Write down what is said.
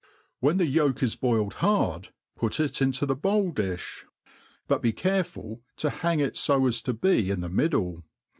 When the yolk is boiled hard, put it*^int6 the bowl difli \ but be care ful to hang it fo as to be in the middle.